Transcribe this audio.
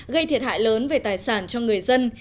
gây thiệt hại lớn về tài sản cho người dân